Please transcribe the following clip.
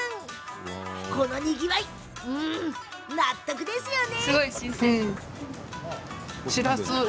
このにぎわいも納得ですよね。